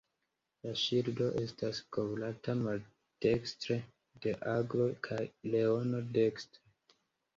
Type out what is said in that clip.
La ŝildo estas kovrata maldekstre de aglo kaj leono dekstre.